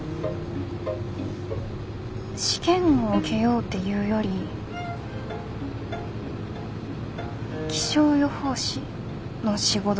試験を受けようっていうより気象予報士の仕事に興味があって。